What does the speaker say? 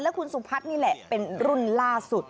คุณสุพัฒน์นี่แหละเป็นรุ่นล่าสุด